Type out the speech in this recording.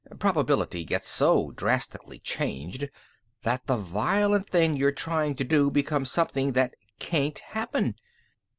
Probability gets so drastically changed that the violent thing you're trying to do becomes something that can't happen.